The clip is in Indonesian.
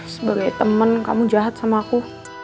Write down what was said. sebagai temen kamu jahat sama aku